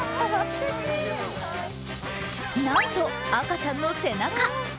なんと赤ちゃんの背中。